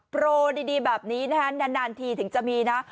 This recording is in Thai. โปรดีแบบนี้นะฮะนานทีถึงจะมีนะ